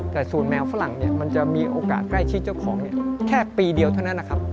แต่ส่วนแมวฝรั่งมันจะมีโอกาสใกล้ชิดเจ้าของแค่ปีเดียวเท่านั้นนะครับ